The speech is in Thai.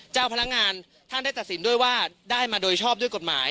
เจ้าพนักงานท่านได้ตัดสินด้วยว่าได้มาโดยชอบด้วยกฎหมาย